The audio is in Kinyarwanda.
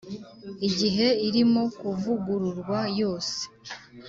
igihe irimo kuvugururwa yose